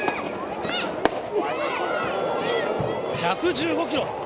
１１５キロ。